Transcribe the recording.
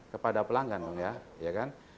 kepada pelanggan ya kan